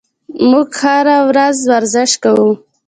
موږ هره ورځ ورزش کوو.